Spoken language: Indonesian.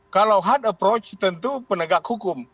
kalau hard approach tentu penegak hukum